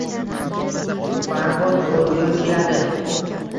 Barbod ko’rgim keladi.